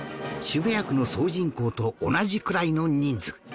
渋谷区の総人口と同じくらいの人数